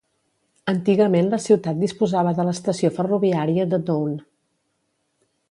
Antigament la ciutat disposava de l'estació ferroviària de Doune.